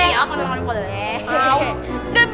iya kemana dua aja boleh